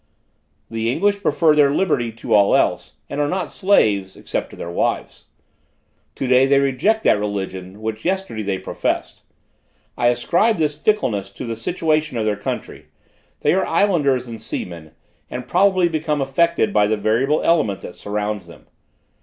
"The English prefer their liberty to all else, and are not slaves, except to their wives. Today they reject that religion, which yesterday they professed. I ascribe this fickleness to the situation of their country; they are islanders and seamen, and probably become affected by the variable element that surrounds them.